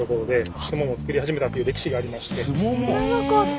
知らなかった。